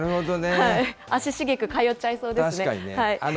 足しげく通っちゃいそうです